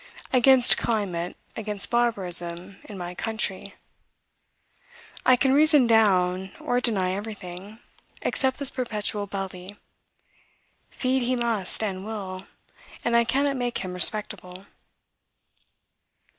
against climate, against barbarism, in my country? I can reason down or deny everything, except this perpetual Belly; feed he must and will, and I cannot make him respectable.